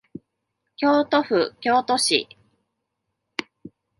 京都府京都市